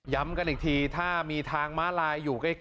ย้ำกันอีกทีที่มีทางมารายอยู่ใกล้